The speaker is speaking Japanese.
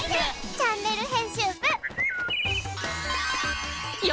チャンネル編集部へ！